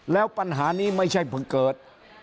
แล้วปัญหานี้ไม่ใช่เพิ่งเกิด